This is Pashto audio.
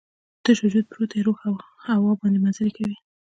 تش وجود پروت دی، روح هوا باندې مزلې کوي